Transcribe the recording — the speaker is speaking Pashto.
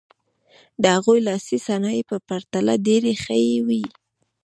د هغوی لاسي صنایع په پرتله ډېرې ښې وې.